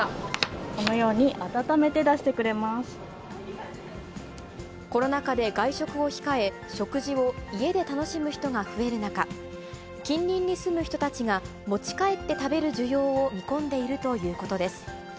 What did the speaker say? このように温めて出してくれコロナ禍で外食を控え、食事を家で楽しむ人が増える中、近隣に住む人たちが持ち帰って食べる需要を見込んでいるということです。